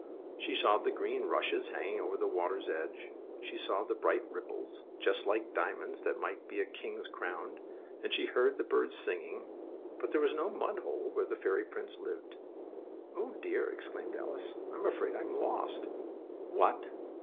She saw the green rushes hanging over the water's edge, she saw the bright ripples, just like diamonds that might be in a king's crown, and she heard the birds singing; but there was no mud hole where the fairy prince lived. "Oh dear!" exclaimed Alice. "I'm afraid I'm lost." "What?